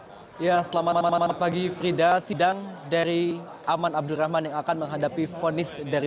ya selamat pagi frida sidang dari aman abdurrahman yang akan menghadapi fonis dari